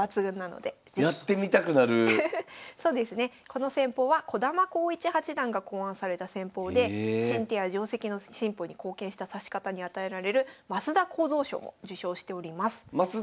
この戦法は児玉孝一八段が考案された戦法で新手や定跡の進歩に貢献した指し方に与えられる升田幸三賞も受賞しております。